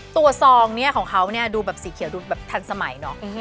ซองเนี่ยของเขาเนี่ยดูแบบสีเขียวดูแบบทันสมัยเนอะ